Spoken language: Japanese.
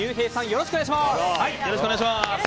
よろしくお願いします。